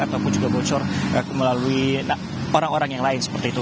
ataupun juga bocor melalui orang orang yang lain seperti itu